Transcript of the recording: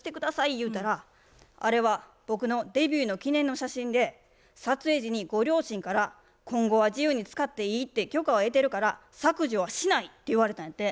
言うたら「あれは僕のデビューの記念の写真で撮影時にご両親から今後は自由に使っていいって許可を得てるから削除はしない」って言われたんやて。